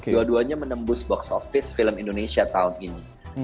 dua duanya menembus box office film indonesia tahun ini